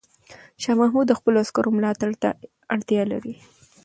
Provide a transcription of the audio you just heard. شاه محمود د خپلو عسکرو ملاتړ ته اړتیا لري.